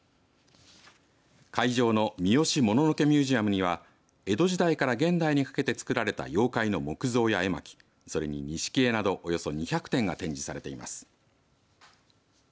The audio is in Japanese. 会場の三次もののけミュージアムには江戸時代から現代にかけて作られた妖怪の木造や絵巻それに錦絵などおよそ２００点が展示されています。